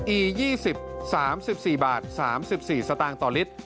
อี๒๐๓๔บาท๓๔สตางค์ต่อลิตร